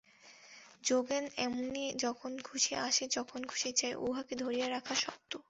যোগেন এমনি যখন খুশি আসে যখন খুশি যায়, উহাকে ধরিয়া রাখা শক্ত।